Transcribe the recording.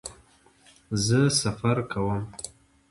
زه سفر کوم